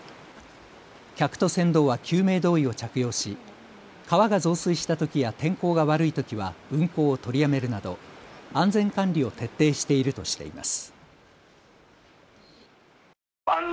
客と船頭は救命胴衣を着用し川が増水したときや天候が悪いときは運航を取りやめるなど安全管理を徹底しているとしています。